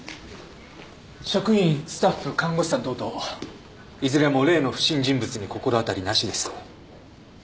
職員スタッフ看護師さん等々いずれも例の不審人物に心当たりなしです。